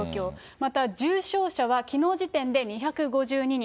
また重症者はきのう時点で２５２人。